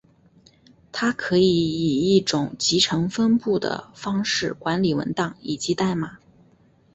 它可以以一种集成分布的方式管理文档以及代码。